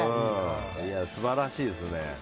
素晴らしいですね。